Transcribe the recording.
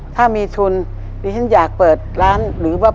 ถ้ามีทุนดิฉันอยากเปิดร้านหรือว่า